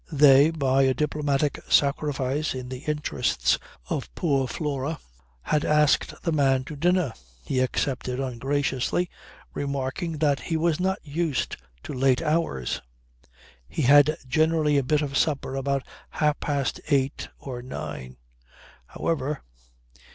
They, by a diplomatic sacrifice in the interests of poor Flora, had asked the man to dinner. He accepted ungraciously, remarking that he was not used to late hours. He had generally a bit of supper about half past eight or nine. However